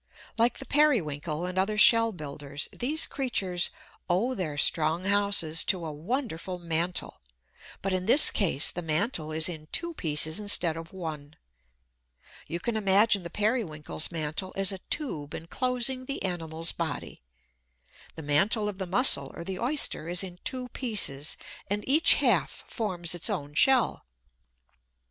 Like the Periwinkle and other shell builders, these creatures owe their strong houses to a wonderful mantle; but in this case the mantle is in two pieces instead of one. You can imagine the Periwinkle's mantle as a tube enclosing the animal's body. The mantle of the Mussel or the Oyster is in two pieces; and each half forms its own shell.